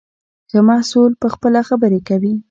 ښه محصول پخپله خبرې کوي.